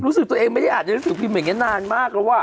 รู้สึกตัวเองไม่ได้อ่านในหนังสือพิมพ์อย่างนี้นานมากแล้วอ่ะ